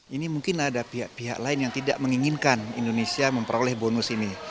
ini mungkin ada pihak pihak lain yang tidak menginginkan indonesia memperoleh bonus ini